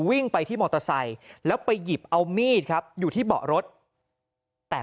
วิ่งไปที่มอเตอร์ไซค์แล้วไปหยิบเอามีดครับอยู่ที่เบาะรถแต่